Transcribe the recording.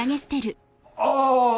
ああ！